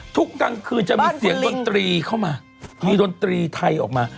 กลางคืนจะมีเสียงดนตรีเข้ามามีดนตรีไทยออกมา